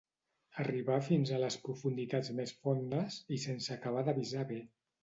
Arribar fins a les profunditats més fondes, i sense acabar d'avisar bé.